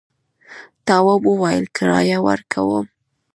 تواب وویل کرايه ورکوم.